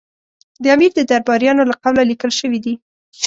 د امیر د درباریانو له قوله لیکل شوي دي.